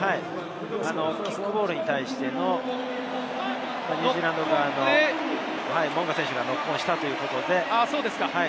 キックボールに対してのニュージーランド側のモウンガ選手がノックオンしたということです。